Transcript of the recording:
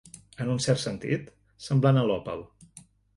En un cert sentit, semblant a l'òpal.